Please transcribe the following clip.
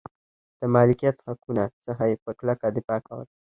د مالکیت حقونو څخه یې په کلکه دفاع کوله.